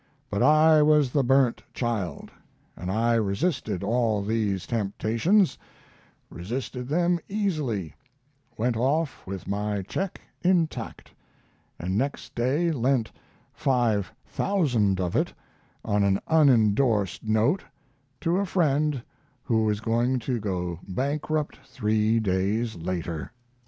But I was the burnt child, and I resisted all these temptations resisted them easily; went off with my check intact, and next day lent five thousand of it, on an unendorsed note, to a friend who was going to go bankrupt three days later.